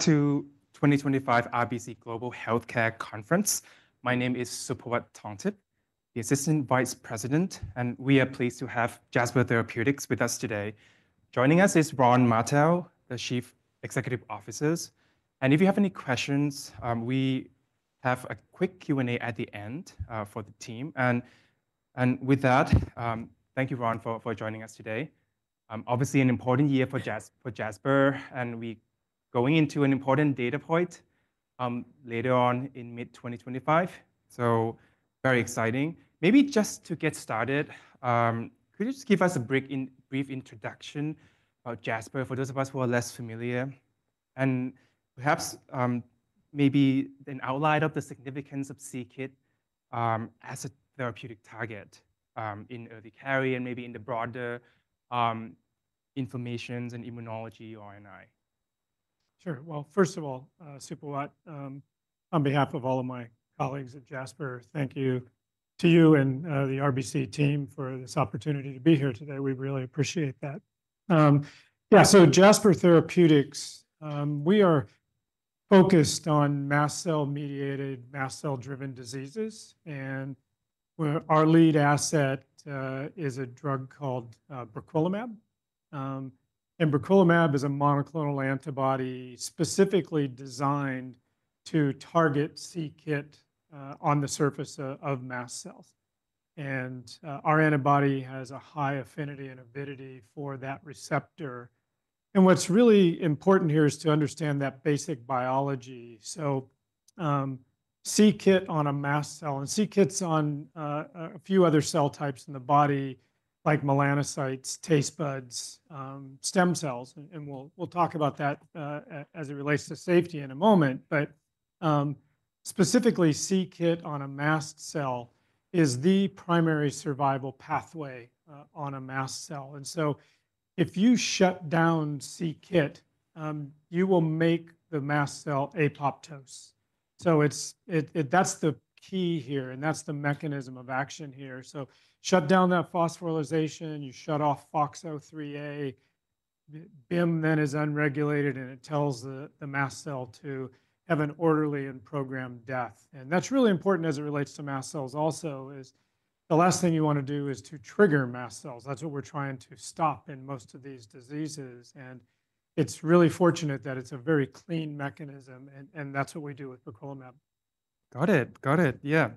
To 2025 RBC Global Healthcare Conference. My name is Suphawat Thongthip, the Assistant Vice President, and we are pleased to have Jasper Therapeutics with us today. Joining us is Ron Martell, the Chief Executive Officer. If you have any questions, we have a quick Q&A at the end for the team. Thank you, Ron, for joining us today. Obviously, an important year for Jasper, and we're going into an important data point later on in mid-2025. Very exciting. Maybe just to get started, could you just give us a brief introduction about Jasper for those of us who are less familiar? And perhaps maybe an outline of the significance of c-Kit as a therapeutic target in early carry and maybe in the broader information and immunology RNI. Sure. First of all, Suphawat, on behalf of all of my colleagues at Jasper, thank you to you and the RBC team for this opportunity to be here today. We really appreciate that. Yeah, so Jasper Therapeutics, we are focused on mast cell-mediated, mast cell-driven diseases. Our lead asset is a drug called briquilimab. Briquilimab is a monoclonal antibody specifically designed to target c-Kit on the surface of mast cells. Our antibody has a high affinity and avidity for that receptor. What's really important here is to understand that basic biology. c-Kit on a mast cell, and c-Kit is on a few other cell types in the body, like melanocytes, taste buds, stem cells. We'll talk about that as it relates to safety in a moment. Specifically, c-Kit on a mast cell is the primary survival pathway on a mast cell. If you shut down c-Kit, you will make the mast cell apoptose. That is the key here, and that is the mechanism of action here. Shut down that phosphorylation, you shut off FOXO3A. BIM then is upregulated, and it tells the mast cell to have an orderly and programmed death. That is really important as it relates to mast cells also, because the last thing you want to do is to trigger mast cells. That is what we are trying to stop in most of these diseases. It is really fortunate that it is a very clean mechanism, and that is what we do with briquilimab. Got it. Got it. Yeah.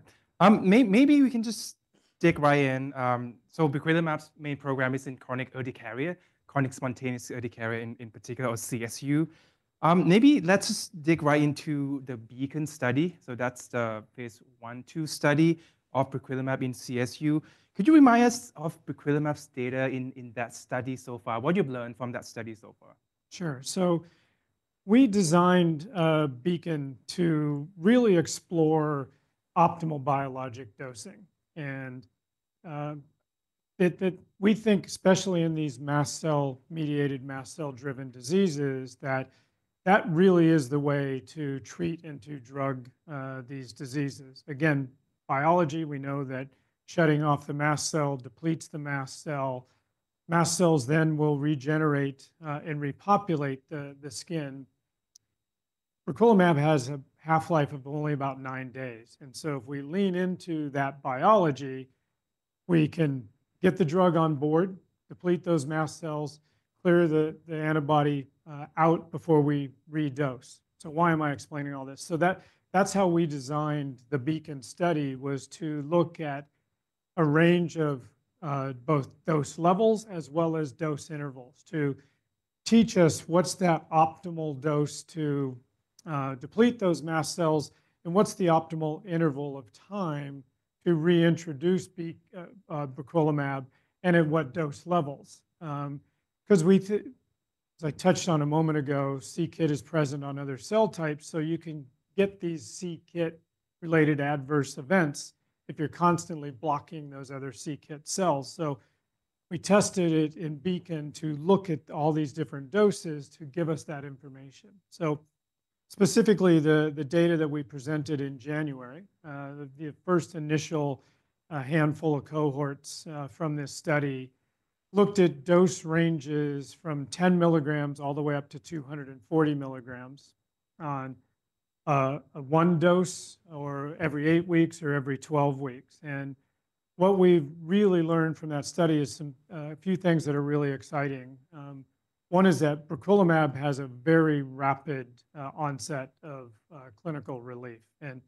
Maybe we can just dig right in. Briquilimab's main program is in chronic urticaria, chronic spontaneous urticaria in particular, or CSU. Maybe let's just dig right into the BEACON study. That's the phase I-II study of briquilimab in CSU. Could you remind us of briquilimab's data in that study so far? What you've learned from that study so far? Sure. We designed BEACON to really explore optimal biologic dosing. We think, especially in these mast cell-mediated, mast cell-driven diseases, that that really is the way to treat and to drug these diseases. Again, biology, we know that shutting off the mast cell depletes the mast cell. Mast cells then will regenerate and repopulate the skin. Briquilimab has a half-life of only about nine days. If we lean into that biology, we can get the drug on board, deplete those mast cells, clear the antibody out before we redose. Why am I explaining all this? That's how we designed the BEACON study, was to look at a range of both dose levels as well as dose intervals to teach us what's that optimal dose to deplete those mast cells and what's the optimal interval of time to reintroduce briquilimab and at what dose levels. Because as I touched on a moment ago, c-Kit is present on other cell types, so you can get these c-Kit-related adverse events if you're constantly blocking those other c-Kit cells. We tested it in BEACON to look at all these different doses to give us that information. Specifically, the data that we presented in January, the first initial handful of cohorts from this study looked at dose ranges from 10 mg all the way up to 240 mg on one dose or every eight weeks or every 12 weeks. What we've really learned from that study is a few things that are really exciting. One is that briquilimab has a very rapid onset of clinical relief, and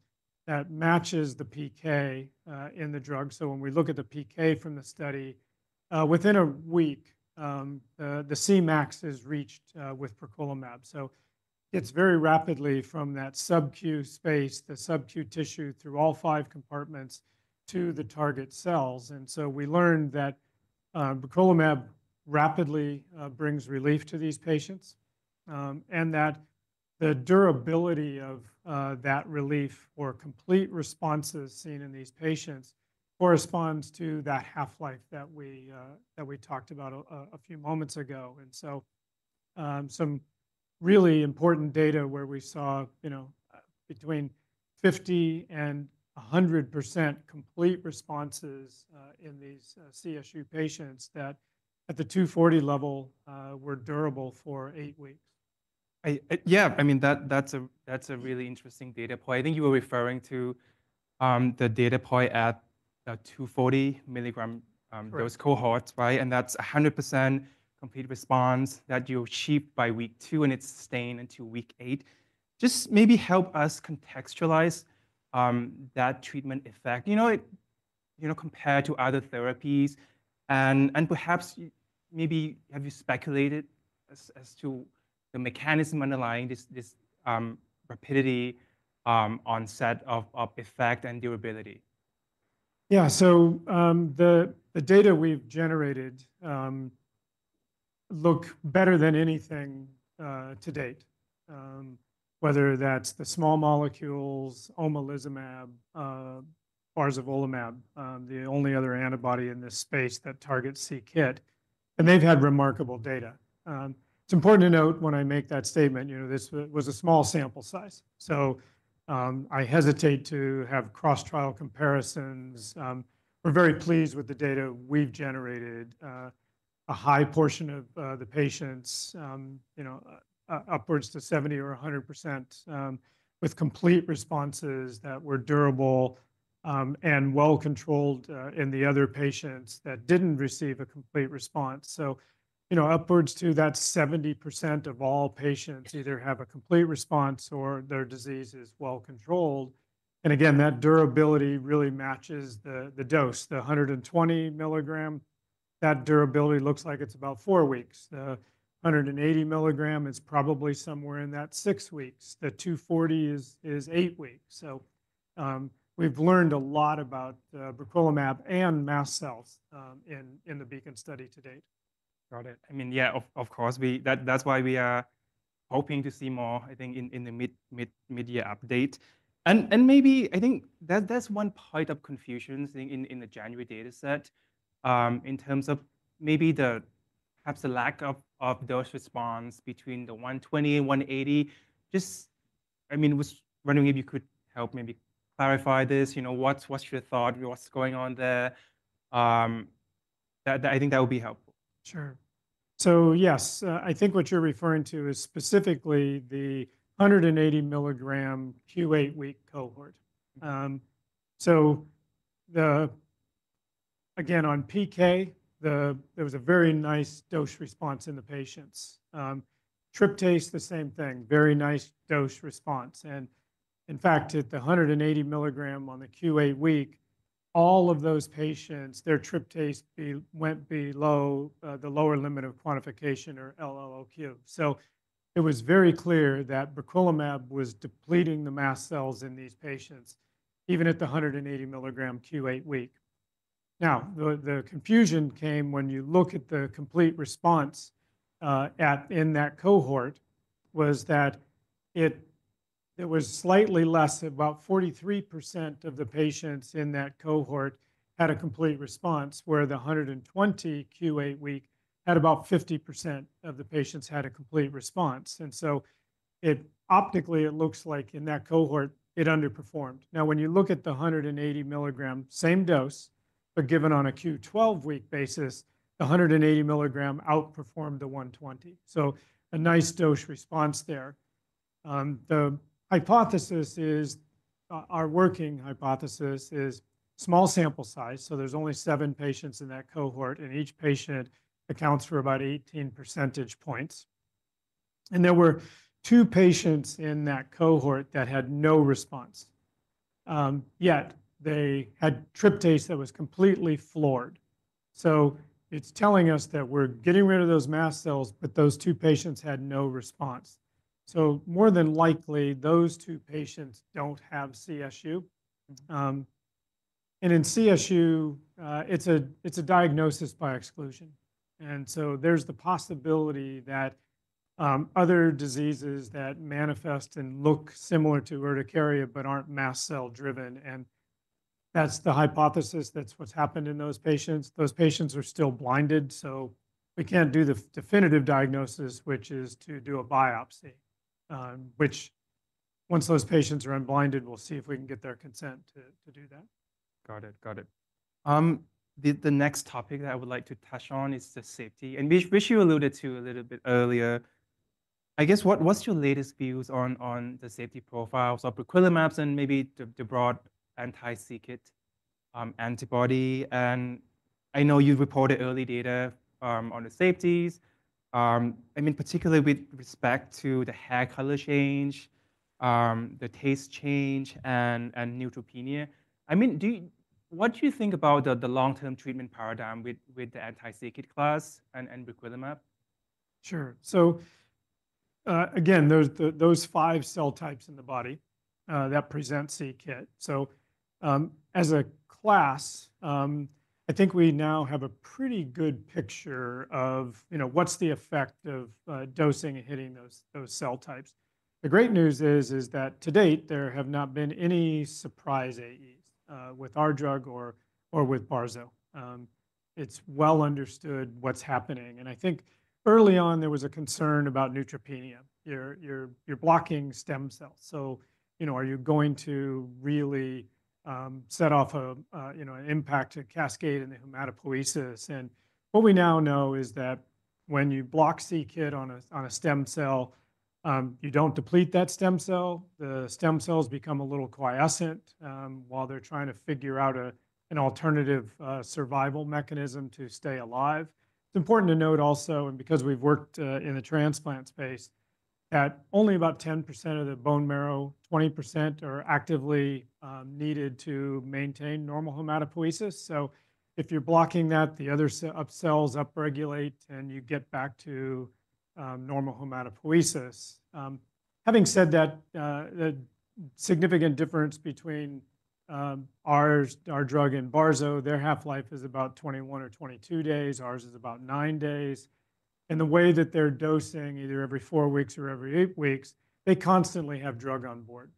that matches the PK in the drug. When we look at the PK from the study, within a week, the Cmax is reached with briquilimab. It gets very rapidly from that subcutaneous space, the subcutaneous tissue through all five compartments to the target cells. We learned that briquilimab rapidly brings relief to these patients and that the durability of that relief or complete responses seen in these patients corresponds to that half-life that we talked about a few moments ago. Some really important data where we saw between 50% and 100% complete responses in these CSU patients that at the 240 level were durable for eight weeks. Yeah, I mean, that's a really interesting data point. I think you were referring to the data point at the 240 mg dose cohorts, right? And that's 100% complete response that you achieve by week two, and it's sustained into week eight. Just maybe help us contextualize that treatment effect, you know, compared to other therapies. And perhaps maybe have you speculated as to the mechanism underlying this rapidity onset of effect and durability? Yeah, so the data we've generated look better than anything to date, whether that's the small molecules, omalizumab, barzolvolimab, the only other antibody in this space that targets c-Kit. And they've had remarkable data. It's important to note when I make that statement, you know, this was a small sample size. So I hesitate to have cross-trial comparisons. We're very pleased with the data we've generated. A high portion of the patients, you know, upwards to 70% or 100% with complete responses that were durable and well-controlled in the other patients that didn't receive a complete response. So, you know, upwards to that 70% of all patients either have a complete response or their disease is well-controlled. And again, that durability really matches the dose, the 120 mg. That durability looks like it's about four weeks. The 180 mg is probably somewhere in that six weeks. The 240 is eight weeks. So we've learned a lot about briquilimab and mast cells in the BEACON study to date. Got it. I mean, yeah, of course. That's why we are hoping to see more, I think, in the mid-year update. Maybe I think that's one point of confusion in the January dataset in terms of maybe perhaps the lack of dose response between the 120 and 180. Just, I mean, wondering if you could help maybe clarify this. You know, what's your thought? What's going on there? I think that would be helpful. Sure. Yes, I think what you're referring to is specifically the 180 mg Q8 week cohort. Again, on PK, there was a very nice dose response in the patients. Tryptase, the same thing, very nice dose response. In fact, at the 180 mg on the Q8 week, all of those patients, their tryptase went below the lower limit of quantification or LLOQ. It was very clear that briquilimab was depleting the mast cells in these patients even at the 180 mg Q8 week. The confusion came when you look at the complete response in that cohort, that it was slightly less. About 43% of the patients in that cohort had a complete response, where the 120 Q8 week had about 50% of the patients had a complete response. Optically, it looks like in that cohort, it underperformed. Now, when you look at the 180 mg, same dose, but given on a Q12 week basis, the 180 mg outperformed the 120. So a nice dose response there. The hypothesis is, our working hypothesis is small sample size. So there's only seven patients in that cohort, and each patient accounts for about 18 percentage points. And there were two patients in that cohort that had no response. Yet they had tryptase that was completely floored. So it's telling us that we're getting rid of those mast cells, but those two patients had no response. More than likely, those two patients don't have CSU. In CSU, it's a diagnosis by exclusion. There's the possibility that other diseases manifest and look similar to urticaria but aren't mast cell-driven. That's the hypothesis. That's what's happened in those patients. Those patients are still blinded, so we can't do the definitive diagnosis, which is to do a biopsy, which once those patients are unblinded, we'll see if we can get their consent to do that. Got it. Got it. The next topic that I would like to touch on is the safety. Which you alluded to a little bit earlier, I guess what's your latest views on the safety profiles of briquilimab and maybe the broad anti-c-Kit antibody? I know you've reported early data on the safeties, I mean, particularly with respect to the hair color change, the taste change, and neutropenia. I mean, what do you think about the long-term treatment paradigm with the anti-c-Kit class and briquilimab? Sure. Again, there's those five cell types in the body that present c-Kit. As a class, I think we now have a pretty good picture of what's the effect of dosing and hitting those cell types. The great news is that to date, there have not been any surprise AEs with our drug or with barzolvolimab. It's well understood what's happening. I think early on, there was a concern about neutropenia. You're blocking stem cells, so are you going to really set off an impact, a cascade in the hematopoiesis? What we now know is that when you block c-Kit on a stem cell, you don't deplete that stem cell. The stem cells become a little quiescent while they're trying to figure out an alternative survival mechanism to stay alive. It's important to note also, and because we've worked in the transplant space, that only about 10% of the bone marrow, 20% are actively needed to maintain normal hematopoiesis. If you're blocking that, the other cells upregulate and you get back to normal hematopoiesis. Having said that, the significant difference between our drug and barzo, their half-life is about 21 or 22 days. Ours is about nine days. The way that they're dosing, either every four weeks or every eight weeks, they constantly have drug on board.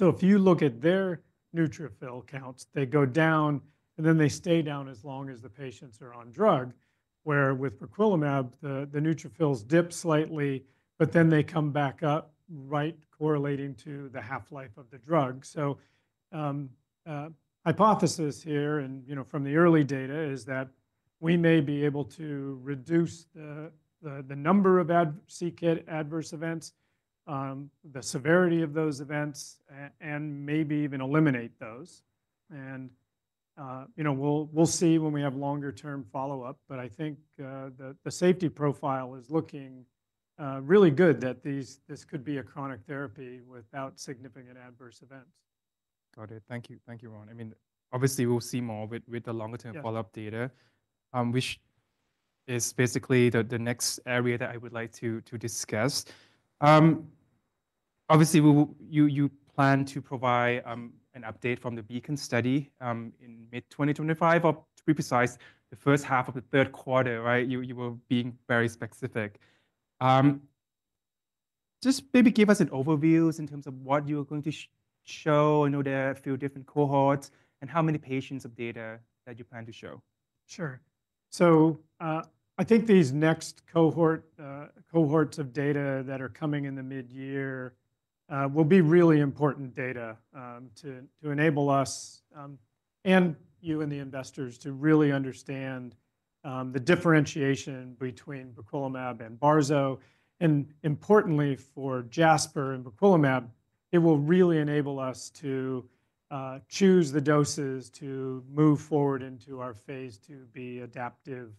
If you look at their neutrophil counts, they go down and then they stay down as long as the patients are on drug, where with briquilimab, the neutrophils dip slightly, but then they come back up right correlating to the half-life of the drug. The hypothesis here and from the early data is that we may be able to reduce the number of c-Kit adverse events, the severity of those events, and maybe even eliminate those. We will see when we have longer-term follow-up, but I think the safety profile is looking really good that this could be a chronic therapy without significant adverse events. Got it. Thank you. Thank you, Ron. I mean, obviously, we'll see more with the longer-term follow-up data, which is basically the next area that I would like to discuss. Obviously, you plan to provide an update from the BEACON study in mid-2025, or to be precise, the first half of the third quarter, right? You were being very specific. Just maybe give us an overview in terms of what you're going to show. I know there are a few different cohorts and how many patients of data that you plan to show. Sure. I think these next cohorts of data that are coming in the mid-year will be really important data to enable us and you and the investors to really understand the differentiation between briquilimab and barzo. Importantly, for Jasper and briquilimab, it will really enable us to choose the doses to move forward into our phase ii-B adaptive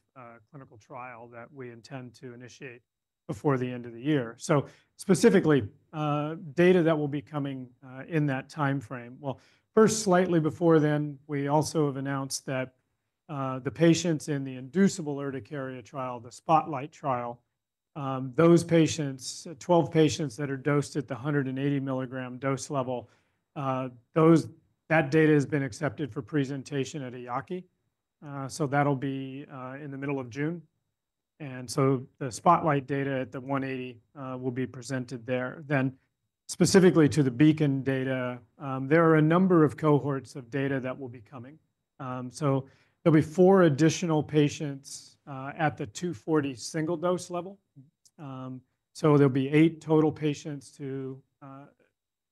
clinical trial that we intend to initiate before the end of the year. Specifically, data that will be coming in that timeframe. First, slightly before then, we also have announced that the patients in the inducible urticaria trial, the SPOTLIGHT trial, those patients, 12 patients that are dosed at the 180 mg dose level, that data has been accepted for presentation at EAACI. That will be in the middle of June. The SPOTLIGHT data at the 180 will be presented there. Then specifically to the BEACON data, there are a number of cohorts of data that will be coming. There will be four additional patients at the 240 single dose level. There will be eight total patients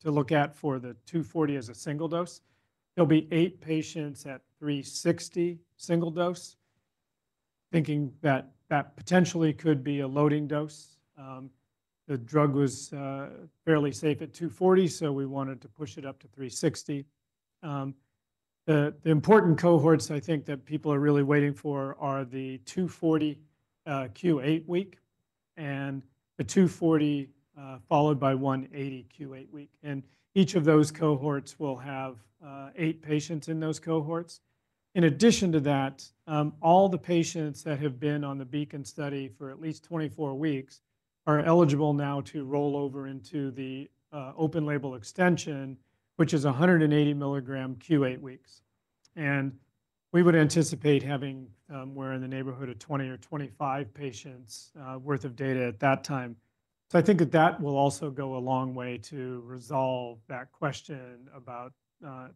to look at for the 240 as a single dose. There will be eight patients at 360 single dose, thinking that that potentially could be a loading dose. The drug was fairly safe at 240, so we wanted to push it up to 360. The important cohorts I think that people are really waiting for are the 240 Q8 week and the 240 followed by 180 Q8 week. Each of those cohorts will have eight patients in those cohorts. In addition to that, all the patients that have been on the BEACON study for at least 24 weeks are eligible now to roll over into the open label extension, which is 180 mg Q8 weeks. We would anticipate having somewhere in the neighborhood of 20 or 25 patients' worth of data at that time. I think that that will also go a long way to resolve that question about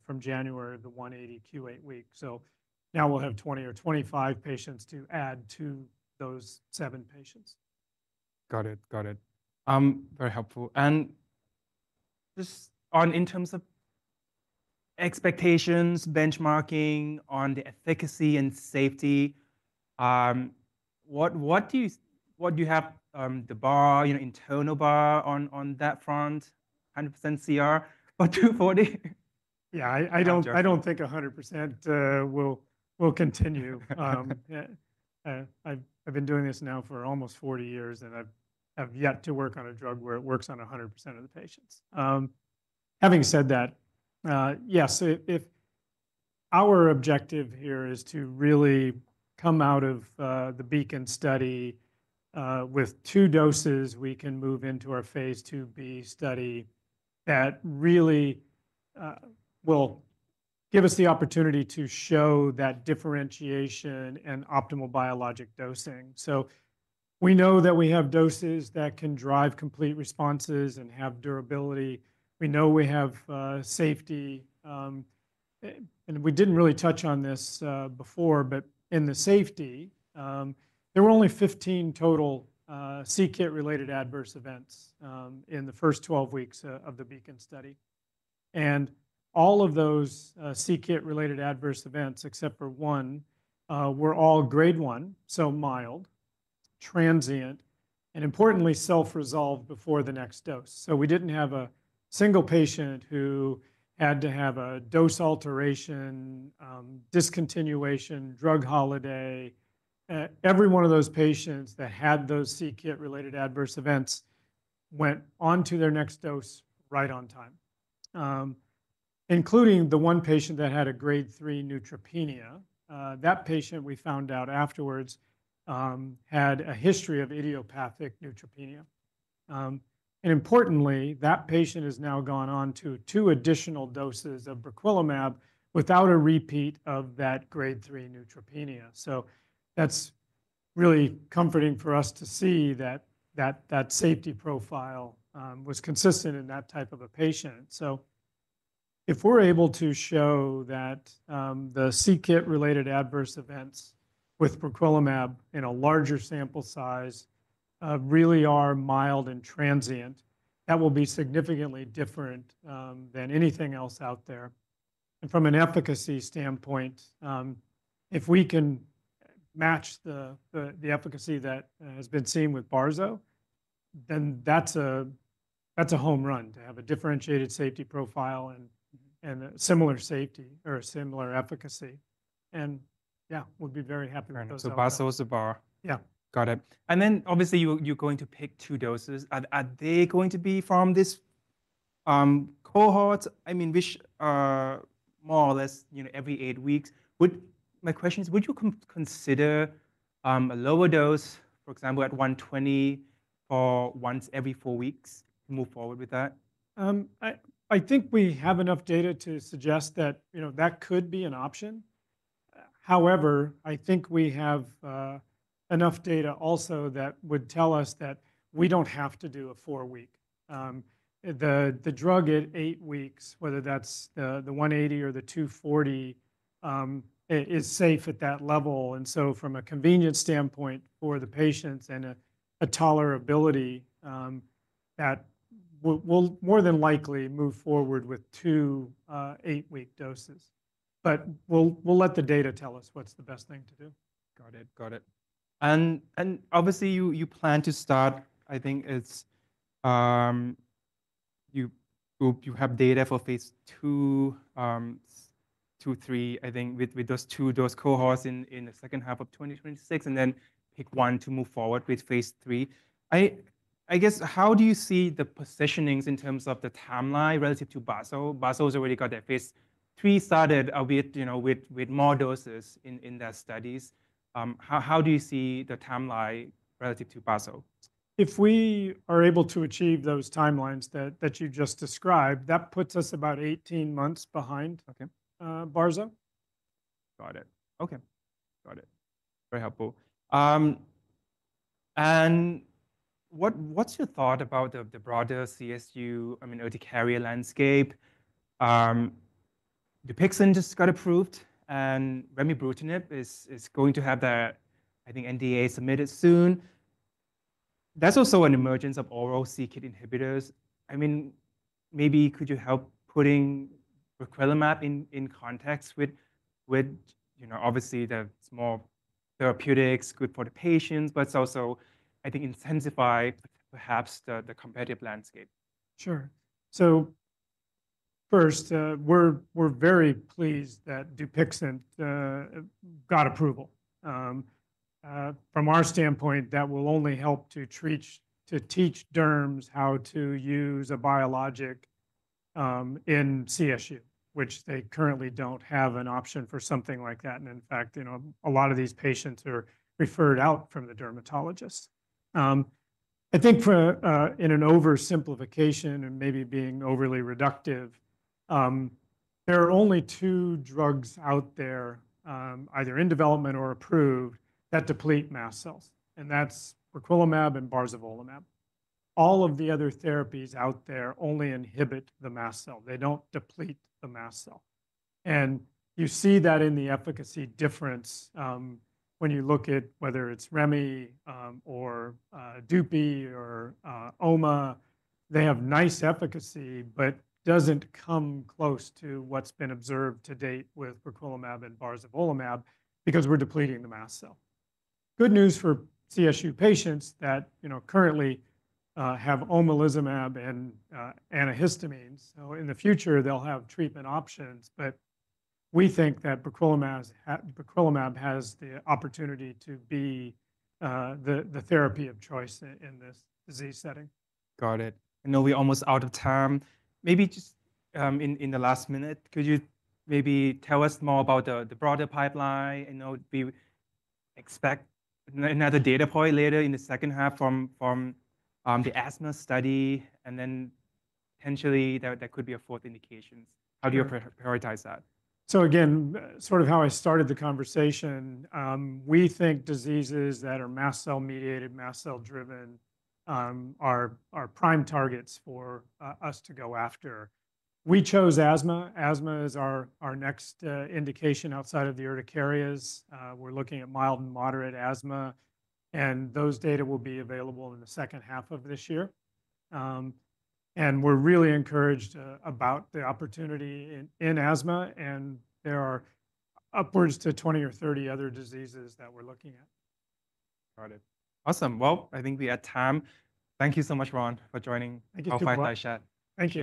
from January, the 180 Q8 week. Now we'll have 20 or 25 patients to add to those seven patients. Got it. Got it. Very helpful. Just in terms of expectations, benchmarking on the efficacy and safety, what do you have the bar, internal bar on that front, 100% CR for 240? Yeah, I don't think 100% will continue. I've been doing this now for almost 40 years, and I've yet to work on a drug where it works on 100% of the patients. Having said that, yes, if our objective here is to really come out of the BEACON study with two doses, we can move into our phase II-B study that really will give us the opportunity to show that differentiation and optimal biologic dosing. We know that we have doses that can drive complete responses and have durability. We know we have safety. We didn't really touch on this before, but in the safety, there were only 15 total c-Kit-related adverse events in the first 12 weeks of the BEACON study. All of those c-Kit-related adverse events, except for one, were all grade one, so mild, transient, and importantly, self-resolved before the next dose. We didn't have a single patient who had to have a dose alteration, discontinuation, drug holiday. Every one of those patients that had those c-Kit-related adverse events went on to their next dose right on time, including the one patient that had a grade three neutropenia. That patient, we found out afterwards, had a history of idiopathic neutropenia. Importantly, that patient has now gone on to two additional doses of briquilimab without a repeat of that grade three neutropenia. That's really comforting for us to see that that safety profile was consistent in that type of a patient. If we're able to show that the c-Kit-related adverse events with briquilimab in a larger sample size really are mild and transient, that will be significantly different than anything else out there. From an efficacy standpoint, if we can match the efficacy that has been seen with barzo, then that's a home run to have a differentiated safety profile and a similar safety or a similar efficacy. Yeah, we'd be very happy with those outcomes. Barzo is the bar. Yeah. Got it. Obviously, you're going to pick two doses. Are they going to be from this cohort? I mean, which more or less every eight weeks? My question is, would you consider a lower dose, for example, at 120 for once every four weeks to move forward with that? I think we have enough data to suggest that that could be an option. However, I think we have enough data also that would tell us that we don't have to do a four-week. The drug at eight weeks, whether that's the 180 or the 240, is safe at that level. From a convenience standpoint for the patients and a tolerability, that will more than likely move forward with two eight-week doses. We'll let the data tell us what's the best thing to do. Got it. Got it. Obviously, you plan to start, I think you have data for phase II, II, III, I think, with those two dose cohorts in the second half of 2026, and then pick one to move forward with phase III. I guess, how do you see the positionings in terms of the timeline relative to bazro? Barzo has already got their phase III started with more doses in their studies. How do you see the timeline relative to barzo? If we are able to achieve those timelines that you just described, that puts us about 18 months behind barzo. Got it. Okay. Got it. Very helpful. What's your thought about the broader CSU, I mean, urticaria landscape? DUPIXENT just got approved, and remibrutinib is going to have the, I think, NDA submitted soon. That's also an emergence of oral c-Kit inhibitors. I mean, maybe could you help putting briquilimab in context with obviously the small therapeutics good for the patients, but it's also, I think, intensify perhaps the competitive landscape. Sure. First, we're very pleased that DUPIXENT got approval. From our standpoint, that will only help to teach derms how to use a biologic in CSU, which they currently don't have an option for something like that. In fact, a lot of these patients are referred out from the dermatologists. I think in an oversimplification and maybe being overly reductive, there are only two drugs out there, either in development or approved, that deplete mast cells. That's briquilimab and barzolvolimab. All of the other therapies out there only inhibit the mast cell. They don't deplete the mast cell. You see that in the efficacy difference when you look at whether it's remi or Dupi or oma. They have nice efficacy, but it doesn't come close to what's been observed to date with briquilimab and barzolvolimab because we're depleting the mast cell. Good news for CSU patients that currently have omalizumab and antihistamines. In the future, they'll have treatment options, but we think that briquilimab has the opportunity to be the therapy of choice in this disease setting. Got it. I know we're almost out of time. Maybe just in the last minute, could you maybe tell us more about the broader pipeline? I know we expect another data point later in the second half from the asthma study, and then potentially there could be a fourth indication. How do you prioritize that? Again, sort of how I started the conversation, we think diseases that are mast cell mediated, mast cell driven are prime targets for us to go after. We chose asthma. Asthma is our next indication outside of the urticarias. We're looking at mild and moderate asthma. Those data will be available in the second half of this year. We're really encouraged about the opportunity in asthma. There are upwards to 20-30 other diseases that we're looking at. Got it. Awesome. I think we are at time. Thank you so much, Ron, for joining Alpha Thai Chat. Thank you.